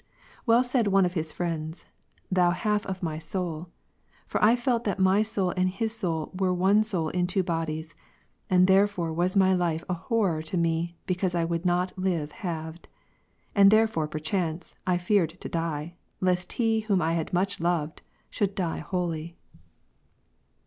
Well said one' of his friend,"Thou half of my soul :" for I felt that my soul and his soul were " one soul in two bodies ™:" and therefore was my life a horror to me, because I would not live halved. And therefore per chance" I feared to die, lest he whom I had much loved, should die wholly.